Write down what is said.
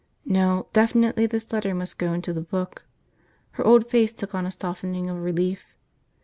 No, definitely this letter must go into the book. Her old face took on a softening of relief.